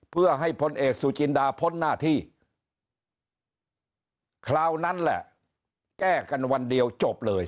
เพื่อให้พลเอกสุจินดาพ้นหน้าที่คราวนั้นแหละแก้กันวันเดียวจบเลย